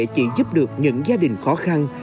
chỉ giúp được những gia đình khó khăn